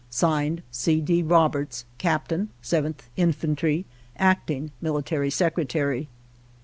(Signed) C. D. Roberts, Captain, 7th Infantry, Acting Military Secretary.